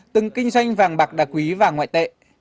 từng kinh doanh vàng bạc đặc quý và ngoại tệ